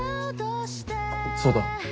そうだ。